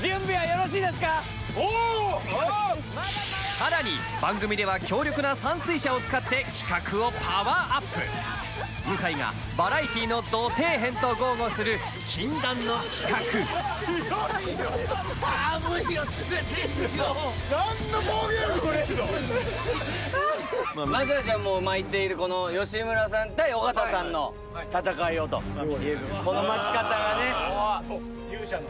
さらに番組では強力な散水車を使って企画をパワーアップ向井がバラエティのど底辺と豪語する禁断の企画まずはじゃあもう巻いているこの吉村さん対尾形さんの戦いをとこの巻き方がね・勇者の？